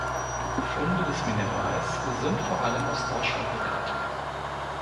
Funde des Minerals sind vor allem aus Deutschland bekannt.